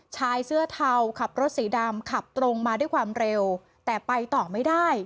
ชายเสื้อเทาขับรถสีดำขับตรงมาด้วยความเร็วแต่ไปต่อไม่ได้